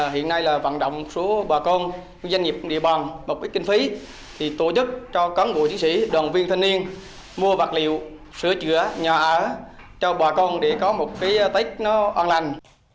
hiện nay là vận động số bà con doanh nghiệp địa bàn một ít kinh phí thì tổ chức cho cán bộ chiến sĩ đoàn viên thanh niên mua vật liệu sửa chữa nhà ở cho bà con để có một cái tết nó an lành